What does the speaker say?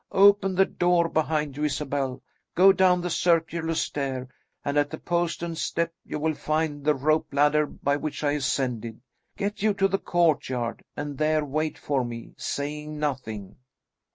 Open the door behind you, Isabel, go down the circular stair, and at the postern step you will find the rope ladder by which I ascended. Get you to the courtyard and there wait for me, saying nothing."